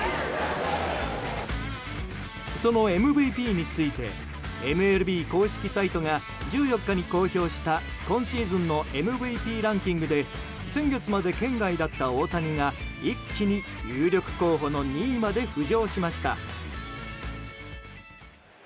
そのＭＶＰについてＭＬＢ公式サイトが１４日に公表した今シーズンのＭＶＰランキングで先月まで圏外だった大谷が一気に有力候補の２位まで浮上しました。